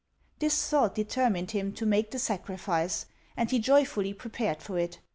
" This thought de termined him to make the sacrifice, and he joyfully pre pared for it.